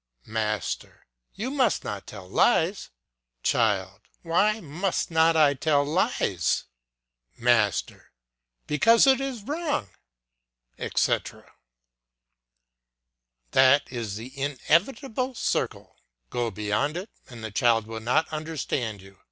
Master. You must not tell lies. Child. Why must not I tell lies? Master. Because it is wrong, etc. That is the inevitable circle. Go beyond it, and the child will not understand you.